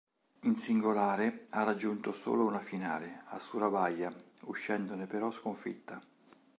In singolare ha raggiunto solo una finale, a Surabaya, uscendone però sconfitta.